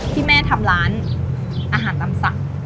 ที่แม่ทำร้านอาหารตำสั่ง